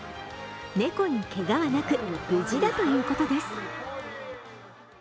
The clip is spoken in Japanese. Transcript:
猫にけがはなく、無事だということです。